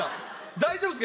大丈夫ですか？